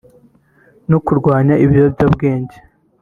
no kurwanya ibiyobyabwenge